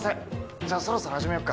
じゃあそろそろ始めようか。